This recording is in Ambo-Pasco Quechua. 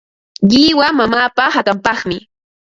Qiwa mamaapa hakanpaqmi.